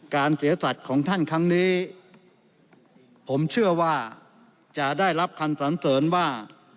เสียสัตว์ของท่านครั้งนี้ผมเชื่อว่าจะได้รับคำสันเสริญว่า